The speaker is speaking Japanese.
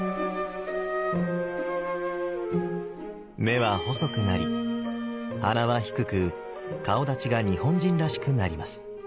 目は細くなり鼻は低く顔だちが日本人らしくなります。